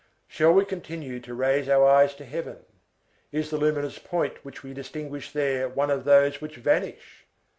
Shall we continue to raise our eyes to heaven? is the luminous point which we distinguish there one of those which vanish?